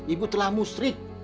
ibu telah musri